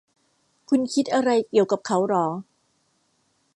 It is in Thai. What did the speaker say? คุณคิดอะไรเกี่ยวกับเขาหรอ